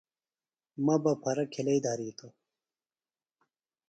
مہ بہ پھرہ کِھلئیۡ دھرِیتوۡ